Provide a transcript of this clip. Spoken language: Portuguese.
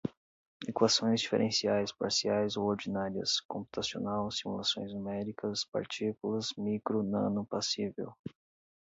equações diferenciais parciais ou ordinárias, computacional, simulações numéricas, partículas, micro, nano, passível